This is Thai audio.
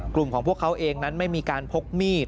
กลุ่มของพวกเขาเองนั้นไม่มีการพกมีด